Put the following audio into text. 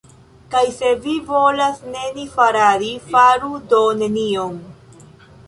Kaj se vi volas nenifaradi, faru do nenion.